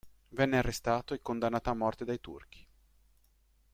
Venne arrestato e condannato a morte dai turchi.